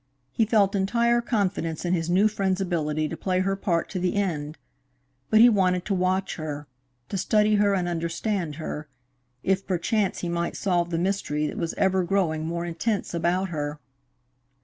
He felt entire confidence in his new friend's ability to play her part to the end, but he wanted to watch her, to study her and understand her, if perchance he might solve the mystery that was ever growing more intense about her.